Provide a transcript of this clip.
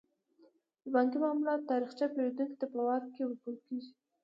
د بانکي معاملاتو تاریخچه پیرودونکو ته په واک کې ورکول کیږي.